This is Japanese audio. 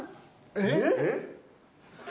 えっ！？